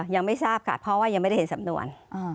ยังไม่ทราบค่ะเพราะว่ายังไม่ได้เห็นสำนวน